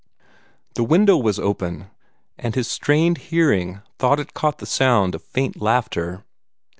The window was open, and his strained hearing thought it caught the sound of faint laughter.